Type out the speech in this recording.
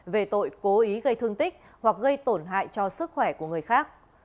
về tội cố ý gây thương tích hoặc gây tổn hại cho sức khỏe của người khác